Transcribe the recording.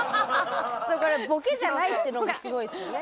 それからボケじゃないっていうのがすごいですよね。